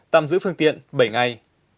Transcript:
tạm giữ phương tiện bảy ngày